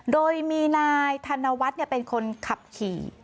โดยมีนายธนวัฒน์เป็นคนขับขี่